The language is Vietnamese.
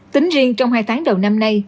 tính riêng trong hai tháng đầu năm nay